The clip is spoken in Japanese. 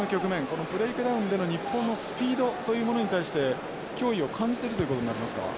このブレークダウンでの日本のスピードというものに対して脅威を感じているということになりますか？